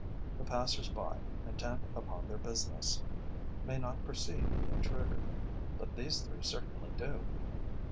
The passers by, intent upon their business, may not perceive the intruder; but these three certainly do.